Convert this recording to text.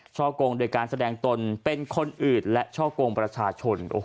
กงโดยการแสดงตนเป็นคนอื่นและช่อกงประชาชน